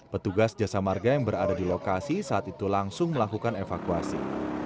petugas jasa marga yang berada di lokasi saat itu langsung melakukan evakuasi